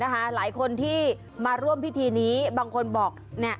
หลายคนที่มาร่วมพิธีนี้บางคนบอก